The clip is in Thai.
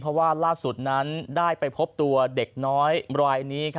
เพราะว่าล่าสุดนั้นได้ไปพบตัวเด็กน้อยรายนี้